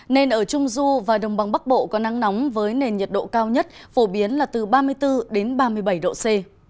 nên ở trung du và đồng bằng bắc bộ có nắng nóng với nền nhiệt độ cao nhất phổ biến là từ ba mươi bốn đến ba mươi bảy độ c